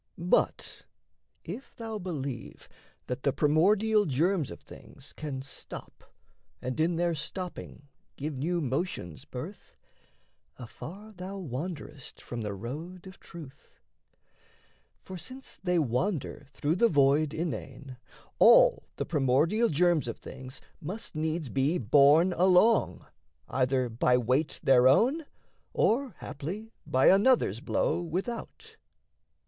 But if thou believe That the primordial germs of things can stop, And in their stopping give new motions birth, Afar thou wanderest from the road of truth. For since they wander through the void inane, All the primordial germs of things must needs Be borne along, either by weight their own, Or haply by another's blow without.